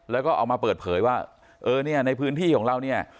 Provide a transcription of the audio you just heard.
แล้วก็เอามาเปิดเผยว่าเออเนี่ยในพื้นที่ของเราเนี่ย